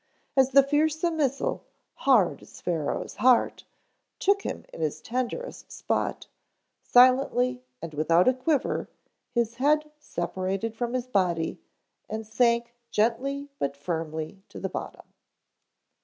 As the fearsome missile, hard as Pharaoh's heart, took him in his tenderest spot, silently, and without a quiver, his head separated from his body and sank gently but firmly to the bottom.